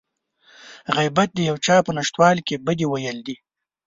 غيبت د يو چا په نشتوالي کې بدي ويل دي.